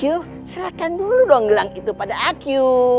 dolong perlahankan dulu dong itu pada aku